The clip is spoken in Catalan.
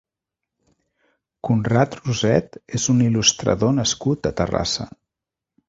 Conrad Roset és un il·lustrador nascut a Terrassa.